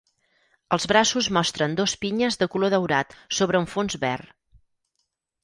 Els braços mostren dos pinyes de color daurat sobre un fons verd.